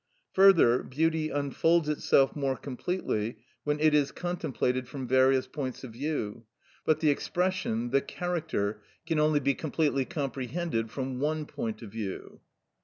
Further, beauty unfolds itself more completely when it is contemplated from various points of view; but the expression, the character, can only be completely comprehended from one point of view.